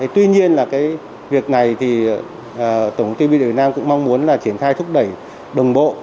tuy nhiên là cái việc này thì tp hcm cũng mong muốn là triển khai thúc đẩy đồng bộ